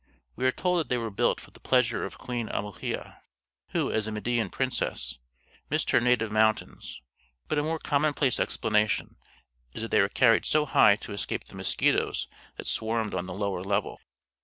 We are told that they were built for the pleasure of Queen Amuhia, who, as a Median princess, missed her native mountains, but a more commonplace explanation is that they were carried so high to escape the mosquitoes that swarmed on the lower level.